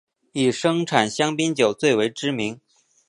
以生产香槟酒最为知名。